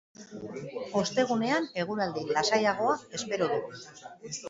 Ostegunean, eguraldi lasaiagoa espero dugu.